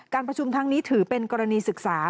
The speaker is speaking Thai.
ประชุมทั้งนี้ถือเป็นกรณีศึกษา